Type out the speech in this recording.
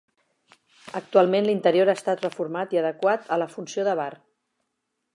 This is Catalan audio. Actualment l'interior ha estat reformat i adequat a la funció de bar.